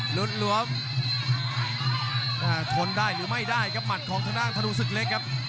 หลุดหลวมทนได้หรือไม่ได้ครับหมัดของทางด้านธนูศึกเล็กครับ